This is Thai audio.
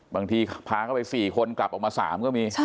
บางทีพาเข้าไป๔คนกลับออกมา๓ก็มี